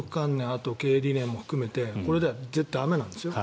あとは経営理念も含めてこれでは駄目なんですよ。